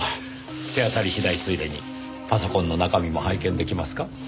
手当たり次第ついでにパソコンの中身も拝見出来ますか？